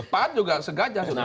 pan juga segajah